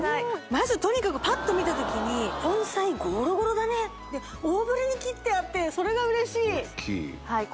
まずとにかくパッと見た時に根菜ゴロゴロだねって大ぶりに切ってあってそれが嬉しい・おっきい